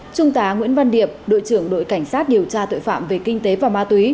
trung tá nguyễn văn điệp đội trưởng đội cảnh sát điều tra tội phạm về kinh tế và ma túy